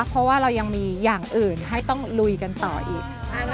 เพราะว่าเรายังมีอย่างอื่นให้ต้องลุยกันต่ออีก